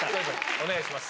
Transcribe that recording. お願いします。